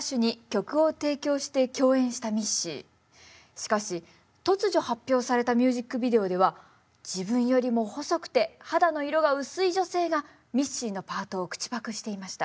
しかし突如発表されたミュージックビデオでは自分よりも細くて肌の色が薄い女性がミッシーのパートを口パクしていました。